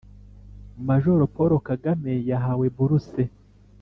majoro paul kagame yahawe buruse